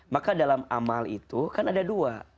maka dalam amal itu kan ada dua